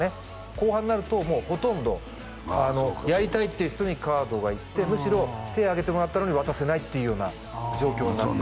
後半になるとほとんどやりたいって人にカードがいってむしろ手挙げてもらったのに渡せないっていうような状況になってました